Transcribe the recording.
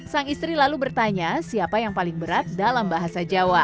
sang istri lalu bertanya siapa yang paling berat dalam bahasa jawa